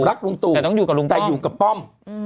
ลุงตู่แต่อยู่กับป้อม